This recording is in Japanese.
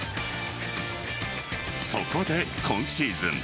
そこで今シーズン